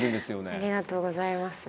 ありがとうございます。